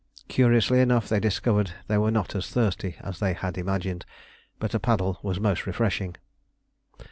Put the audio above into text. Curiously enough, they discovered they were not as thirsty as they had imagined, but a paddle was most refreshing.